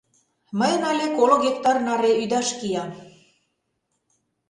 Мыйын але коло гектар наре ӱдаш кия.